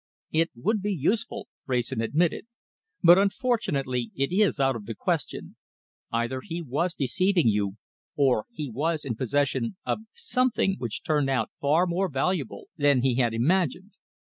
"It would be useful," Wrayson admitted, "but, unfortunately, it is out of the question. Either he was deceiving you, or he was in possession of something which turned out far more valuable than he had imagined."